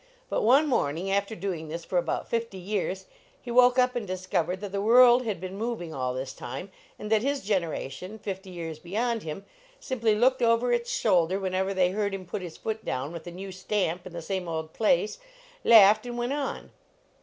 But one morning, after doing this for about fifty years, he woke up and discovered that the world had been moving all this time, and that his generation, fifty years beyond him, simply looked over its shoulder whenever they heard him put his foot down with a new stamp in the same old place, laughed, and went on.